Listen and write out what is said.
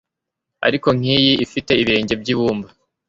ariko nkiyi ifite ibirenge byibumba